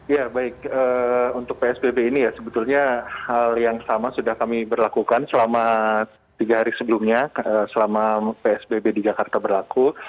ya baik untuk psbb ini ya sebetulnya hal yang sama sudah kami berlakukan selama tiga hari sebelumnya selama psbb di jakarta berlaku